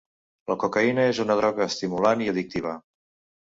La cocaïna és una droga estimulant i addictiva.